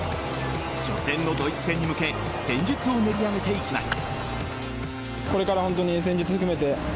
初戦のドイツ戦に向け戦術を練り上げていきます。